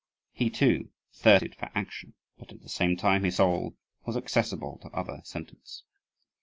He too thirsted for action; but, at the same time, his soul was accessible to other sentiments.